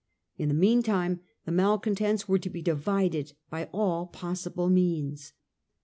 In the meantime the malcontents were to be divided by all possible means.